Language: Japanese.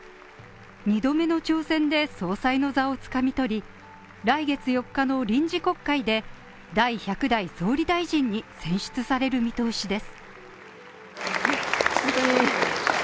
２度目の挑戦で総裁の座をつかみ取り、来月４日の臨時国会で第１００代総理大臣に選出される見通しです。